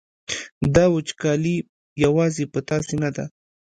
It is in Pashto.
دا وچکالي یوازې په تاسې نه ده.